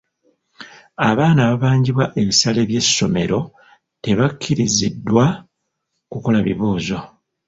Abaana ababanjibwa ebisale by'essomero tebakkiriziddwa kukola bibuuzo.